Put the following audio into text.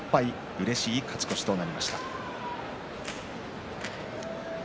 うれしい勝ち越しとなりました。